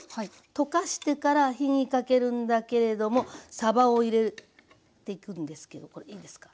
溶かしてから火にかけるんだけれどもさばを入れていくんですけどこれいいですか？